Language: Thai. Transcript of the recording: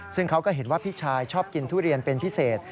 ซึ่งเขาก็เห็นว่าพี่ชายชอบกินทุเรียนเป็นพิเศษ